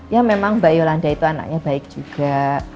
ya memang mbak yolanda itu anaknya baik juga